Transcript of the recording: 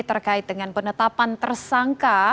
terkait dengan penetapan tersangka